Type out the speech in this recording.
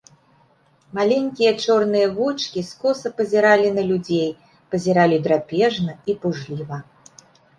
Маленькія чорныя вочкі скоса пазіралі на людзей, пазіралі драпежна і пужліва.